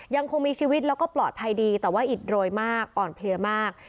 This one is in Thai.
ยังคงมีชีวิตแล้วก็ปลอดภัยดีแต่ว่าอิดโรยมากอ่อนเพลียมาก